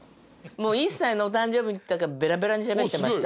もう１歳のお誕生日の時はベラベラにしゃべってました。